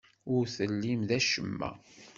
Ur tellim d acemma.